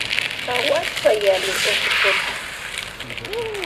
Hawuashpa yali utukuta.